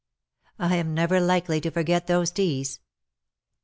I am never likely to forget those teas.